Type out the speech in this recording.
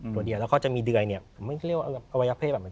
ตัวเดียวแล้วก็จะมีเดือยเนี่ยผมไม่เรียกว่าอวัยเพศแบบนั้น